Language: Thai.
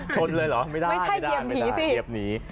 ชนเลยเหรอไม่ได้ไม่ได้เล็บนี้